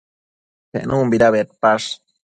Penunbida bedpash?